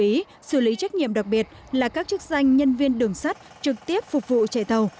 xử lý xử lý trách nhiệm đặc biệt là các chức danh nhân viên đường sắt trực tiếp phục vụ chạy tàu